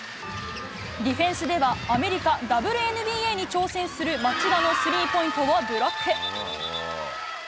ディフェンスではアメリカＷＮＢＡに挑戦する町田のスリーポイントをブロック。